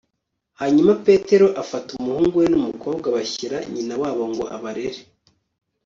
hanyuma petero afata umuhungu we n'umukobwa abashyira nyinawabo ngo abarere